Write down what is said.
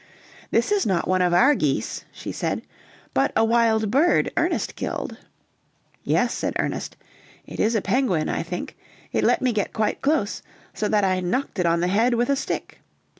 "This is not one of our geese," she said, "but a wild bird Ernest killed." "Yes," said Ernest, "it is a penguin, I think; it let me get quite close, so that I knocked it on the head with a stick.